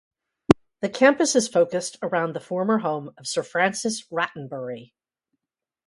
The campus is focused around the former home of Sir Francis Rattenbury.